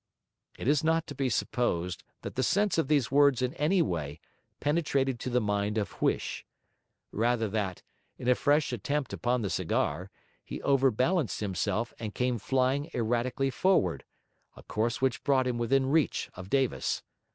It is not to be supposed that the sense of these words in any way penetrated to the mind of Hulsh; rather that, in a fresh attempt upon the cigar, he overbalanced himself and came flying erratically forward: a course which brought him within reach of Davis.